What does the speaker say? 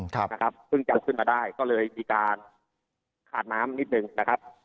เพิ่งกลับขึ้นมาได้ก็เลยมีการขาดน้ำนิดนึงนะครับ